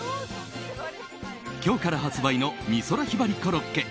今日から発売の美空ひばりコロッケ。